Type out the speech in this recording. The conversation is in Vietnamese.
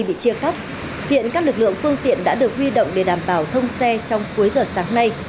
bị chia cắt hiện các lực lượng phương tiện đã được huy động để đảm bảo thông xe trong cuối giờ sáng nay